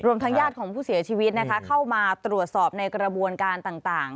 ทางญาติของผู้เสียชีวิตนะคะเข้ามาตรวจสอบในกระบวนการต่าง